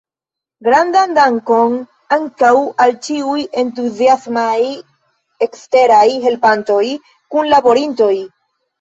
Grandan dankon ankaŭ al ĉiuj entuziasmaj eksteraj helpantoj, kunlaborintoj!